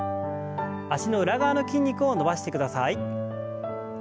脚の裏側の筋肉を伸ばしてください。